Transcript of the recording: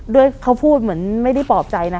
ด้วยเขาพูดเหมือนไม่ได้ปลอบใจนะ